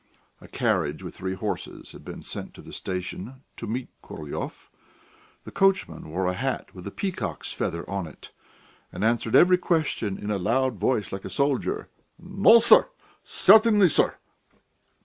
A carriage with three horses had been sent to the station to meet Korolyov; the coachman wore a hat with a peacock's feather on it, and answered every question in a loud voice like a soldier: "No, sir!" "Certainly, sir!"